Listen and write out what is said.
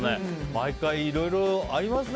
毎回、いろいろありますね。